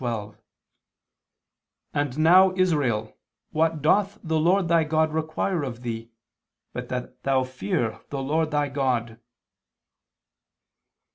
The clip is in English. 10:12): "And now, Israel, what doth the Lord thy God require of thee, but that thou fear the Lord thy God?"